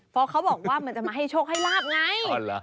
เพราะเขาบอกว่ามันจะมาให้โชคให้ลาบไง